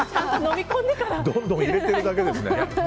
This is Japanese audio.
どんどん口に入れてるだけですね。